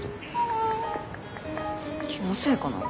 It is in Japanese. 気のせいかな。